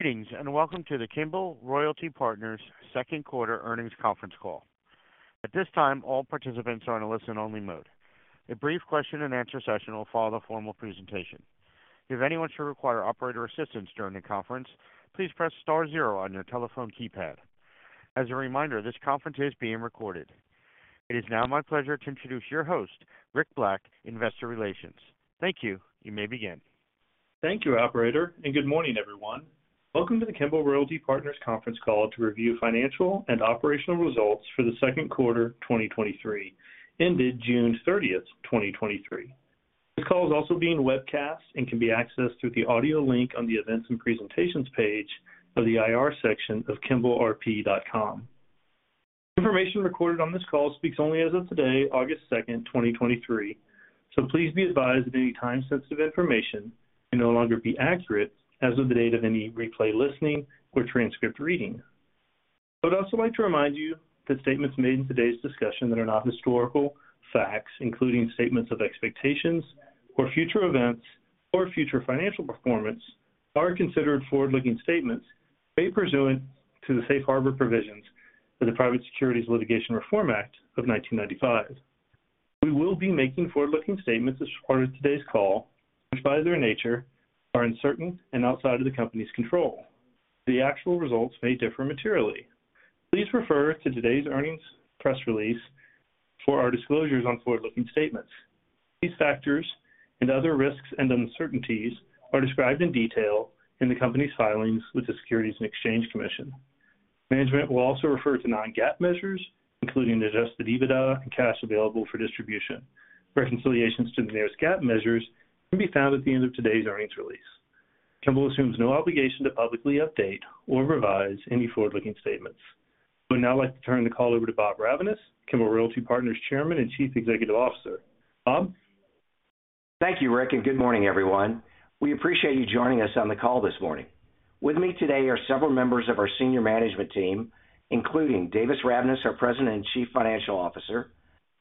Greetings, and welcome to the Kimbell Royalty Partners Q2 Earnings Conference call. At this time, all participants are on a listen-only mode. A brief question-and-answer session will follow the formal presentation. If anyone should require operator assistance during the conference, please press star zero on your telephone keypad. As a reminder, this conference is being recorded. It is now my pleasure to introduce your host, Rick Black, Investor Relations. Thank you. You may begin. Thank you, operator. Good morning, everyone. Welcome to the Kimbell Royalty Partners Conference call to review financial and operational results for the Q2 2023, ended June 30th, 2023. This call is also being webcast and can be accessed through the audio link on the Events and Presentations page of the IR section of kimbellrp.com. Information recorded on this call speaks only as of today, August 2nd, 2023. Please be advised that any time-sensitive information may no longer be accurate as of the date of any replay listening or transcript reading. I would also like to remind you that statements made in today's discussion that are not historical facts, including statements of expectations or future events or future financial performance, are considered forward-looking statements made pursuant to the Safe Harbor Provisions of the Private Securities Litigation Reform Act of 1995. We will be making forward-looking statements as part of today's call, which, by their nature, are uncertain and outside of the company's control. The actual results may differ materially. Please refer to today's earnings press release for our disclosures on forward-looking statements. These factors and other risks and uncertainties are described in detail in the company's filings with the Securities and Exchange Commission. Management will also refer to non-GAAP measures, including Adjusted EBITDA and Cash Available for Distribution. Reconciliations to the nearest GAAP measures can be found at the end of today's earnings release. Kimbell assumes no obligation to publicly update or revise any forward-looking statements. I would now like to turn the call over to Bob Ravnaas, Kimbell Royalty Partners Chairman and Chief Executive Officer. Bob? Thank you, Rick. Good morning, everyone. We appreciate you joining us on the call this morning. With me today are several members of our senior management team, including Davis Ravnaas, our President and Chief Financial Officer,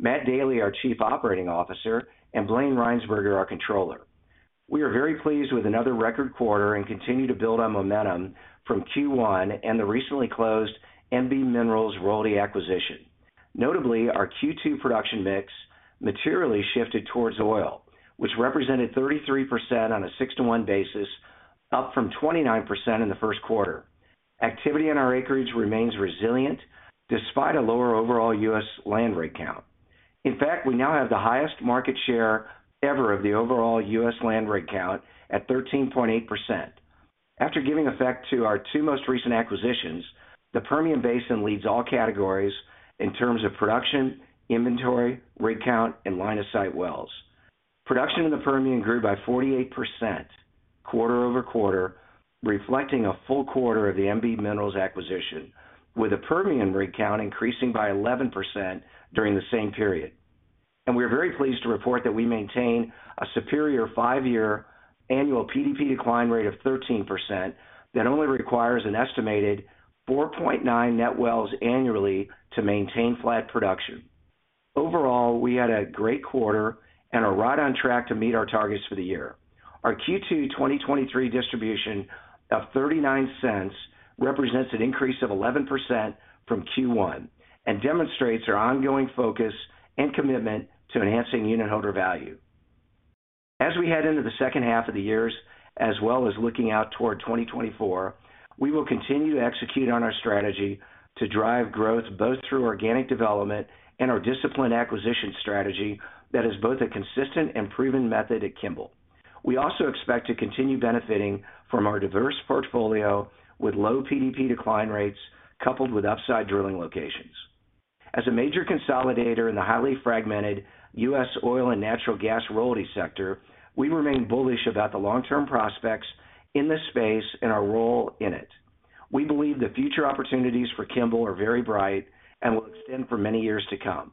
Matthew Daly, our Chief Operating Officer, and Blayne Rhynsburger, our Controller. We are very pleased with another record quarter and continue to build on momentum from Q1 and the recently closed MB Minerals Royalty acquisition. Notably, our Q2 production mix materially shifted towards oil, which represented 33% on a 6-to-1 basis, up from 29% in the Q1. Activity in our acreage remains resilient despite a lower overall U.S. land rig count. In fact, we now have the highest market share ever of the overall U.S. land rig count at 13.8%. After giving effect to our two most recent acquisitions, the Permian Basin leads all categories in terms of production, inventory, rig count, and line of sight wells. Production in the Permian grew by 48% quarter-over-quarter, reflecting a full quarter of the MB Minerals acquisition, with the Permian rig count increasing by 11% during the same period. We are very pleased to report that we maintain a superior 5-year annual PDP decline rate of 13% that only requires an estimated 4.9 net wells annually to maintain flat production. Overall, we had a great quarter and are right on track to meet our targets for the year. Our Q2 2023 distribution of $0.39 represents an increase of 11% from Q1 and demonstrates our ongoing focus and commitment to enhancing unitholder value. As we head into the H2 of the years, as well as looking out toward 2024, we will continue to execute on our strategy to drive growth, both through organic development and our disciplined acquisition strategy that is both a consistent and proven method at Kimbell. We also expect to continue benefiting from our diverse portfolio with low PDP decline rates, coupled with upside drilling locations. As a major consolidator in the highly fragmented US oil and natural gas royalty sector, we remain bullish about the long-term prospects in this space and our role in it. We believe the future opportunities for Kimbell are very bright and will extend for many years to come.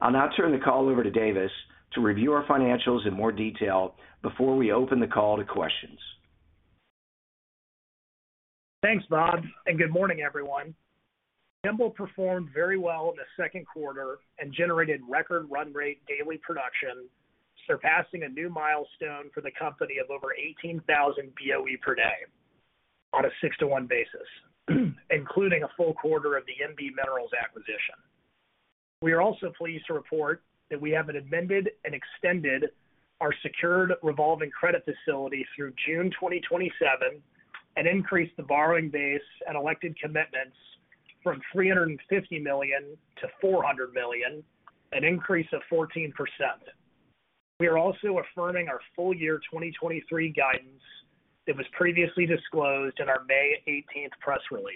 I'll now turn the call over to Davis to review our financials in more detail before we open the call to questions. Thanks, Bob. Good morning, everyone. Kimbell performed very well in the Q2 and generated record run rate daily production, surpassing a new milestone for the company of over 18,000 BOE per day on a 6-to-1 basis, including a full quarter of the MB Minerals acquisition. We are also pleased to report that we have amended and extended our secured revolving credit facility through June 2027 and increased the borrowing base and elected commitments from $350 million to $400 million, an increase of 14%. We are also affirming our full year 2023 guidance that was previously disclosed in our May 18th press release.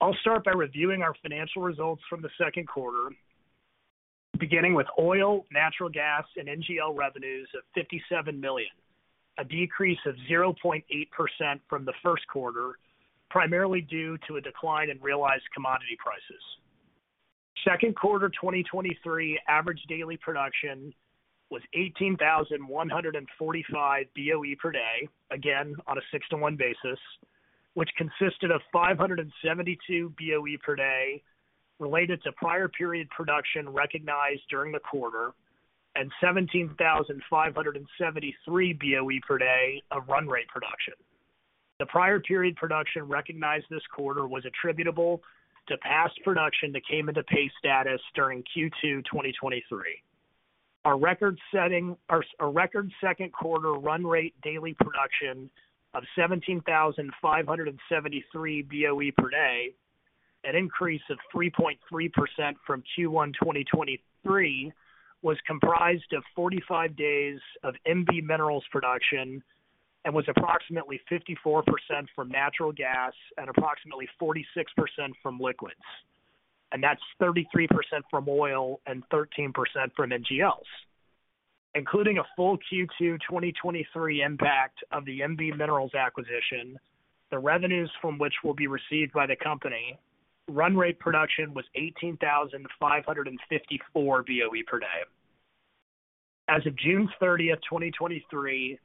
I'll start by reviewing our financial results from the Q2, beginning with oil, natural gas, and NGL revenues of $57 million, a decrease of 0.8% from the Q1, primarily due to a decline in realized commodity prices. Q2 2023 average daily production was 18,145 BOE per day, again, on a 6-to-1 basis, which consisted of 572 BOE per day related to prior period production recognized during the quarter, and 17,573 BOE per day of run rate production. The prior period production recognized this quarter was attributable to past production that came into pay status during Q2 2023. Our record Q2 run rate daily production of 17,573 BOE per day, an increase of 3.3% from Q1 2023, was comprised of 45 days of MB Minerals production and was approximately 54% from natural gas and approximately 46% from liquids, and that's 33% from oil and 13% from NGLs. Including a full Q2 2023 impact of the MB Minerals acquisition, the revenues from which will be received by the company, run rate production was 18,554 BOE per day. As of June 30, 2023,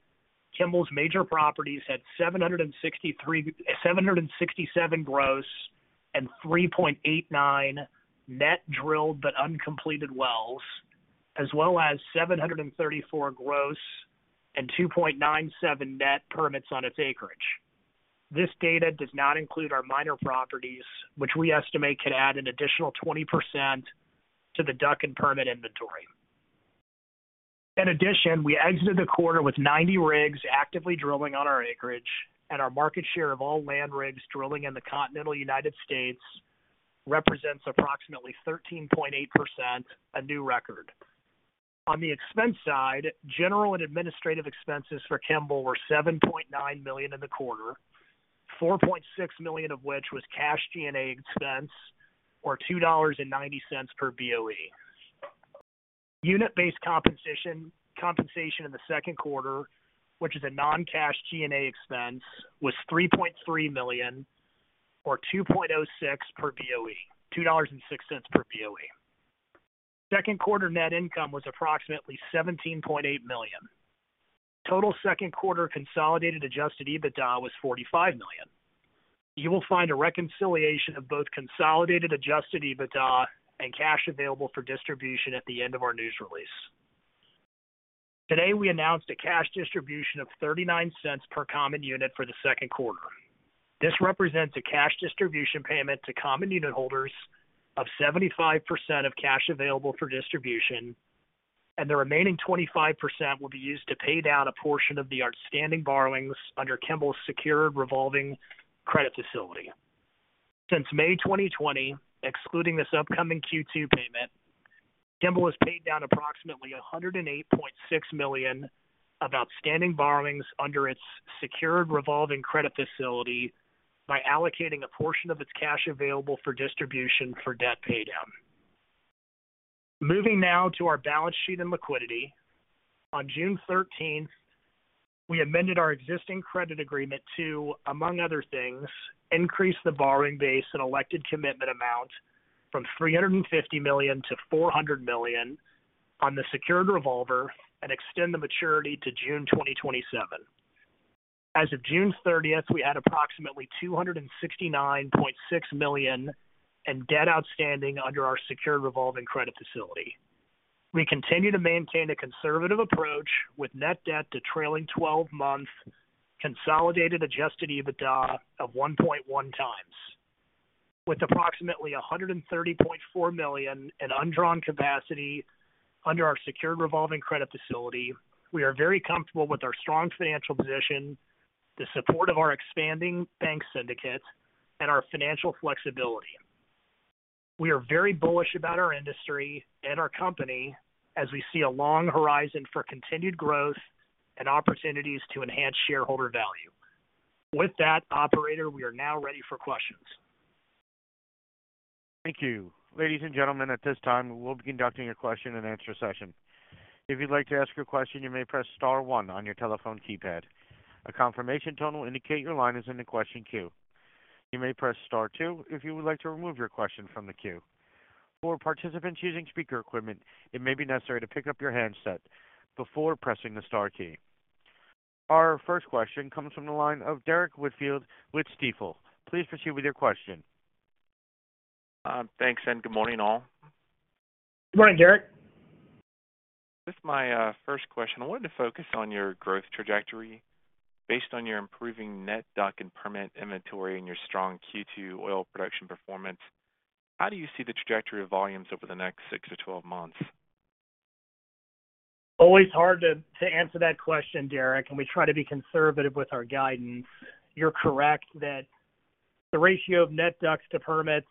Kimbell's major properties had 767 gross and 3.89 net drilled but uncompleted wells, as well as 734 gross and 2.97 net permits on its acreage. This data does not include our minor properties, which we estimate could add an additional 20% to the DUC and permit inventory. In addition, we exited the quarter with 90 rigs actively drilling on our acreage, and our market share of all land rigs drilling in the continental United States represents approximately 13.8%, a new record. On the expense side, general and administrative expenses for Kimbell were $7.9 million in the quarter, $4.6 million of which was cash G&A expense, or $2.90 per BOE. Unit-based compensation, compensation in the Q2, which is a non-cash G&A expense, was $3.3 million, or $2.06 per BOE, $2.06 per BOE. Q2 net income was approximately $17.8 million. Total Q2 consolidated Adjusted EBITDA was $45 million. You will find a reconciliation of both consolidated Adjusted EBITDA and Cash Available for Distribution at the end of our news release. Today, we announced a cash distribution of $0.39 per common unit for the Q2. This represents a cash distribution payment to common unit holders of 75% of Cash Available for Distribution. The remaining 25% will be used to pay down a portion of the outstanding borrowings under Kimbell's secured revolving credit facility. Since May 2020, excluding this upcoming Q2 payment, Kimbell has paid down approximately $108.6 million of outstanding borrowings under its secured revolving credit facility by allocating a portion of its Cash Available for Distribution for debt paydown. Moving now to our balance sheet and liquidity. On June 13th, we amended our existing credit agreement to, among other things, increase the borrowing base and elected commitment amount from $350 million to $400 million on the secured revolver and extend the maturity to June 2027. As of June 30th, we had approximately $269.6 million in debt outstanding under our secured revolving credit facility. We continue to maintain a conservative approach with net debt to trailing twelve-month consolidated Adjusted EBITDA of 1.1 times. With approximately $130.4 million in undrawn capacity under our secured revolving credit facility, we are very comfortable with our strong financial position, the support of our expanding bank syndicate, and our financial flexibility. We are very bullish about our industry and our company as we see a long horizon for continued growth and opportunities to enhance shareholder value. With that, operator, we are now ready for questions. Thank you. Ladies and gentlemen, at this time, we'll be conducting a question and answer session. If you'd like to ask a question, you may press star one on your telephone keypad. A confirmation tone will indicate your line is in the question queue. You may press star two if you would like to remove your question from the queue. For participants using speaker equipment, it may be necessary to pick up your handset before pressing the star key. Our first question comes from the line of Derrick Whitfield with Stifel. Please proceed with your question. Thanks, and good morning, all. Good morning, Derrick. Just my first question. I wanted to focus on your growth trajectory. Based on your improving net DUC and permit inventory and your strong Q2 oil production performance, how do you see the trajectory of volumes over the next six to 12 months? Always hard to, to answer that question, Derrick, and we try to be conservative with our guidance. You're correct that the ratio of net DUCs to permits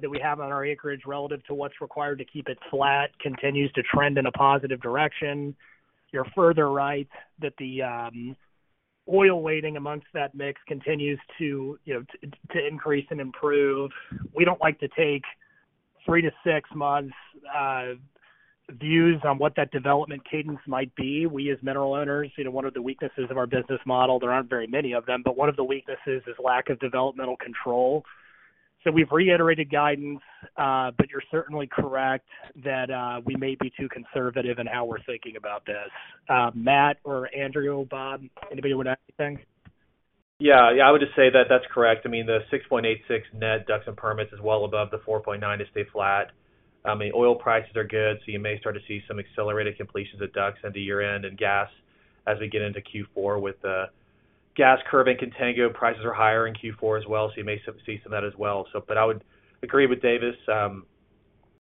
that we have on our acreage relative to what's required to keep it flat, continues to trend in a positive direction. You're further right that the oil weighting amongst that mix continues to, you know, to, to increase and improve. We don't like to take three to six months views on what that development cadence might be. We, as mineral owners, you know, one of the weaknesses of our business model, there aren't very many of them, but one of the weaknesses is lack of developmental control. We've reiterated guidance, but you're certainly correct that we may be too conservative in how we're thinking about this. Matt or Andrew, Bob, anybody would like to say anything? Yeah, yeah, I would just say that that's correct. I mean, the 6.86 net DUCs and permits is well above the 4.9 to stay flat. The oil prices are good, so you may start to see some accelerated completions of DUCs into year-end and gas as we get into Q4. With the gas curve in contango, prices are higher in Q4 as well, so you may see some of that as well. I would agree with Davis.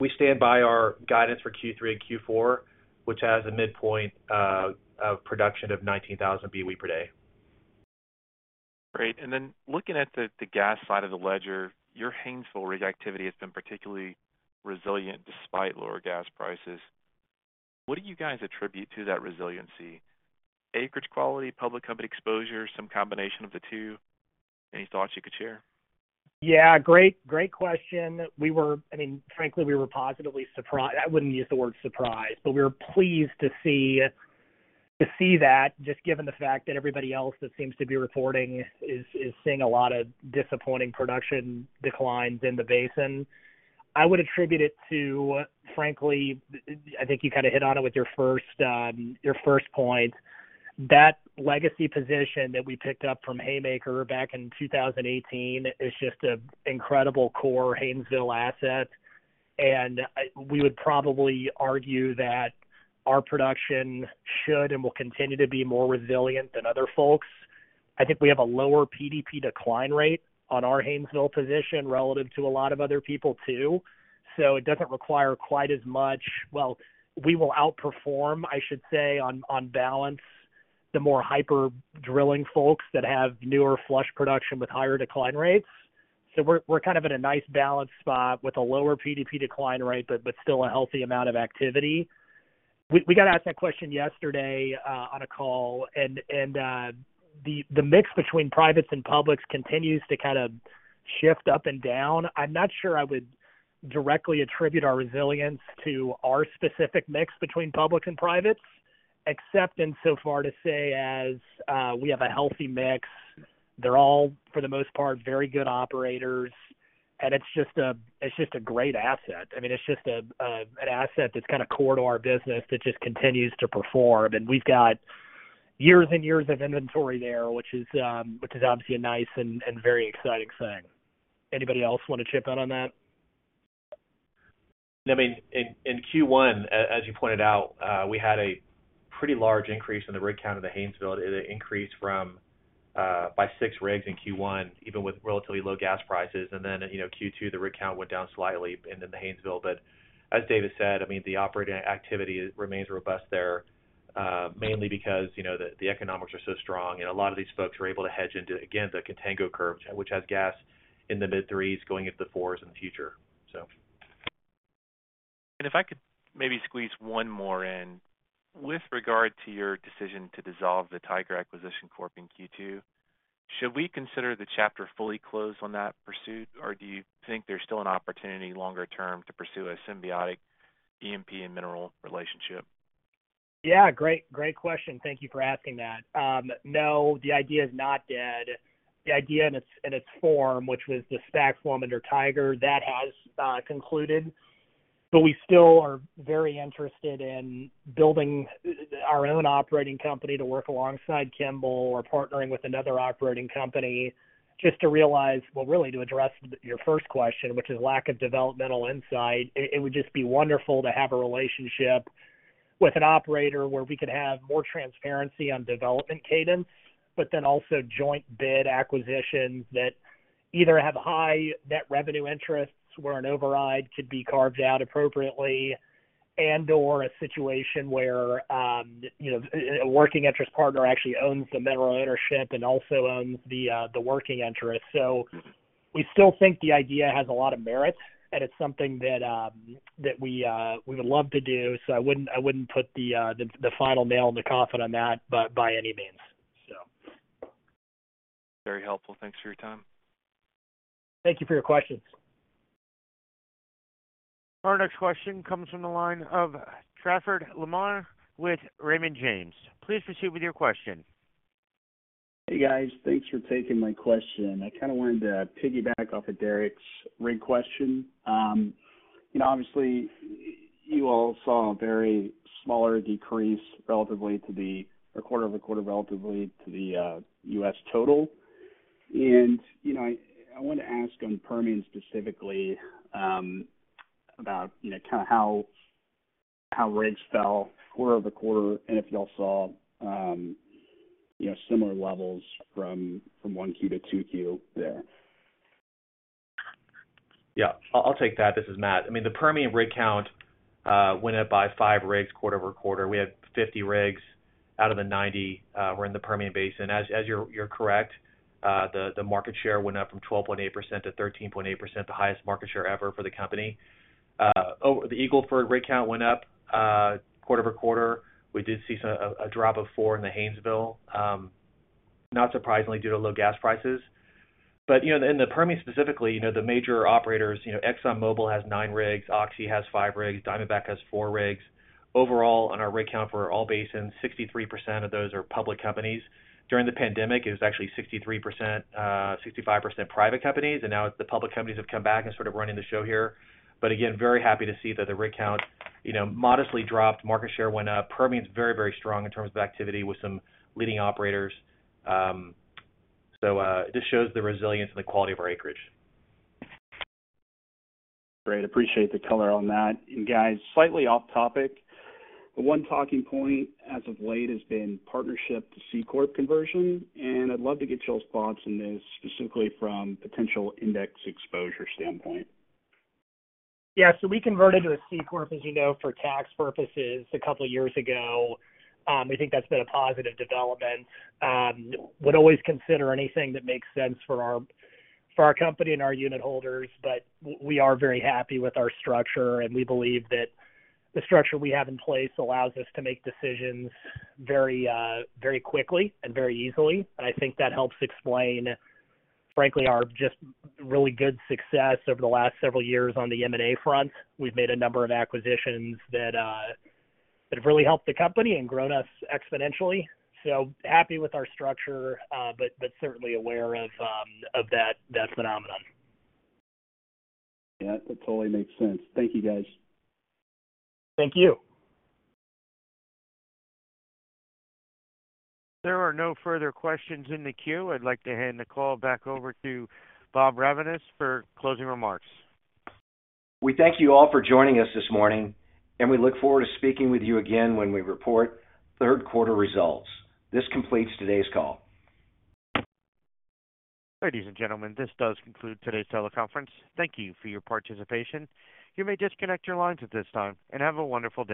We stand by our guidance for Q3 and Q4, which has a midpoint of production of 19,000 BOE per day. Great. Then looking at the, the gas side of the ledger, your Haynesville rig activity has been particularly resilient despite lower gas prices. What do you guys attribute to that resiliency? Acreage quality, public company exposure, some combination of the two? Any thoughts you could share? Yeah, great, great question. We were-- I mean, frankly, we were positively surprised. I wouldn't use the word surprised, but we were pleased to see, to see that, just given the fact that everybody else that seems to be reporting is, is seeing a lot of disappointing production declines in the basin. I would attribute it to, frankly, I think you kinda hit on it with your first, your first point. That legacy position that we picked up from Haymaker back in 2018 is just an incredible core Haynesville asset, and we would probably argue that our production should and will continue to be more resilient than other folks. I think we have a lower PDP decline rate on our Haynesville position relative to a lot of other people, too, so it doesn't require quite as much... We will outperform, I should say, on, on balance, the more hyper-drilling folks that have newer flush production with higher decline rates. We're, we're kind of in a nice balanced spot with a lower PDP decline rate, but, but still a healthy amount of activity. We, we got asked that question yesterday on a call, and the mix between privates and publics continues to kinda shift up and down. I'm not sure I would directly attribute our resilience to our specific mix between public and privates, except insofar to say as we have a healthy mix. They're all, for the most part, very good operators, and it's just a, it's just a great asset. I mean, it's just a, a, an asset that's kinda core to our business that just continues to perform, and we've got years and years of inventory there, which is, which is obviously a nice and, and very exciting thing. Anybody else want to chip in on that? I mean, in, in Q1, as you pointed out, we had a pretty large increase in the rig count of the Haynesville. It increased from, by six rigs in Q1, even with relatively low gas prices. Then, you know, Q2, the rig count went down slightly and in the Haynesville. As Davis said, I mean, the operating activity remains robust there, mainly because, you know, the, the economics are so strong, and a lot of these folks are able to hedge into, again, the contango curve, which has gas in the mid threes going into the fours in the future, so. If I could maybe squeeze one more in. With regard to your decision to dissolve the Tiger Acquisition Corp. in Q2, should we consider the chapter fully closed on that pursuit, or do you think there's still an opportunity longer term to pursue a symbiotic E&P and mineral relationship? Yeah, great, great question. Thank you for asking that. no, the idea is not dead. The idea in its, in its form, which was the stack form under Tiger, that has concluded, but we still are very interested in building our own operating company to work alongside Kimbell or partnering with another operating company. Just to realize, well, really, to address your first question, which is lack of developmental insight, it, it would just be wonderful to have a relationship with an operator where we could have more transparency on development cadence, but then also joint bid acquisitions that either have high net revenue interests, where an override could be carved out appropriately and/or a situation where, you know, a working interest partner actually owns the mineral ownership and also owns the working interest. We still think the idea has a lot of merit, and it's something that, that we, we would love to do. I wouldn't, I wouldn't put the, the final nail in the coffin on that, but by any means, so. Very helpful. Thanks for your time. Thank you for your questions. Our next question comes from the line of Trafford Lamar with Raymond James. Please proceed with your question. Hey, guys. Thanks for taking my question. I kinda wanted to piggyback off of Derrick's rig question. You know, obviously, you all saw a very smaller decrease relatively quarter-over-quarter, relatively to the U.S. total. You know, I, I want to ask on Permian specifically, about, you know, kinda how, how rigs fell quarter-over-quarter, and if you all saw, you know, similar levels from, from 1Q to 2Q there. Yeah, I'll, I'll take that. This is Matt. I mean, the Permian rig count went up by five rigs quarter-over-quarter. We had 50 rigs out of the 90 were in the Permian Basin. As, as you're, you're correct, the market share went up from 12.8% to 13.8%, the highest market share ever for the company. The Eagle Ford rig count went up quarter-over-quarter. We did see some a drop of four in the Haynesville, not surprisingly, due to low gas prices. You know, in the Permian specifically, you know, the major operators, you know, ExxonMobil has nine rigs, Oxy has five rigs, Diamondback has four rigs. Overall, on our rig count for all basins, 63% of those are public companies. During the pandemic, it was actually 63%, 65% private companies. Now the public companies have come back and sort of running the show here. Again, very happy to see that the rig count, you know, modestly dropped, market share went up. Permian is very, very strong in terms of activity with some leading operators. It just shows the resilience and the quality of our acreage. Great. Appreciate the color on that. Guys, slightly off topic, one talking point as of late has been partnership to C corp conversion, and I'd love to get your thoughts on this, specifically from potential index exposure standpoint. We converted to a C corp, as you know, for tax purposes to couple years ago. We think that's been a positive development. Would always consider anything that makes sense for our, for our company and our unit holders, but we are very happy with our structure, and we believe that the structure we have in place allows us to make decisions very quickly and very easily. I think that helps explain, frankly, our just really good success over the last several years on the M&A front. We've made a number of acquisitions that have really helped the company and grown us exponentially. Happy with our structure, but certainly aware of that phenomenon. Yeah, that totally makes sense. Thank you, guys. Thank you. There are no further questions in the queue. I'd like to hand the call back over to Bob Ravnaas for closing remarks. We thank you all for joining us this morning, and we look forward to speaking with you again when we report Q3 results. This completes today's call. Ladies and gentlemen, this does conclude today's teleconference. Thank you for your participation. You may disconnect your lines at this time, and have a wonderful day.